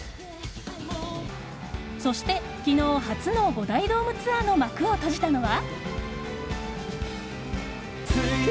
そして昨日初の五大ドームツアーが幕を閉じたのは。